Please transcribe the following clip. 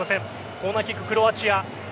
コーナーキック、クロアチア。